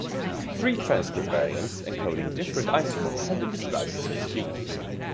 Three transcript variants encoding different isoforms have been described for this gene.